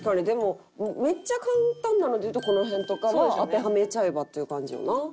でもめっちゃ簡単なのでいうとこの辺とかは当てはめちゃえばっていう感じよな。